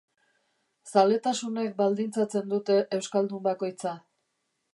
Zaletasunek baldintzatzen dute euskaldun bakoitza.